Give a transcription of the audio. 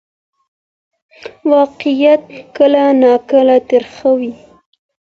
واقعیت کله ناکله تریخ وي.